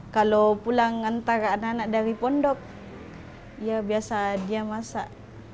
kalau pulang antara anak anak dari pondok ya biasa dia masak